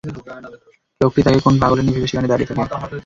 লোকটি তাকে কোন পাগলিনী ভেবে সেখানে দাঁড়িয়ে থাকে।